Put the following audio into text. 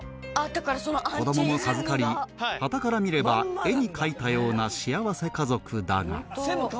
子供も授かり端から見れば絵に描いたような幸せ家族だが